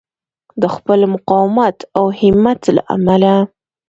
د خپل مقاومت او همت له امله.